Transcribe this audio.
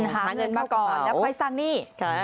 หาเงินมาก่อนแล้วค่อยสร้างหนี้